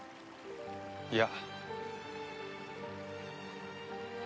いや。